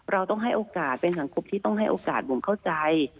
เราต้องให้โอกาสเป็นสังคมที่ต้องให้โอกาสบุ๋มเข้าใจ